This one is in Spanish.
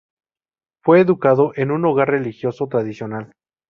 Fue educado en un hogar religioso tradicional.